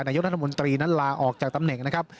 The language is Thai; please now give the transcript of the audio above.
นายกรัฐมนตรีนั้นลาออกจากตำแหน่งนะครับ